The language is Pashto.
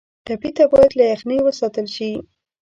ټپي ته باید له یخنۍ وساتل شي.